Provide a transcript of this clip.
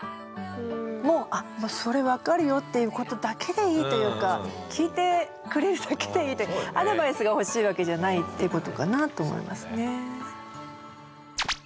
もうあっそれ分かるよっていうことだけでいいというか聞いてくれるだけでいいってアドバイスが欲しいわけじゃないってことかなと思いますね。